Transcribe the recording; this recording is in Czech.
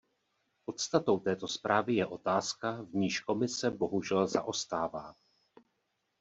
Podstatou této zprávy je otázka, v níž Komise bohužel zaostává.